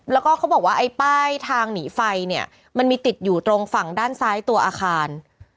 แล้วก็เขาบอกว่าไอ้ป้ายทางหนีไฟเนี่ยมันมีติดอยู่ตรงฝั่งด้านซ้ายตัวอาคาร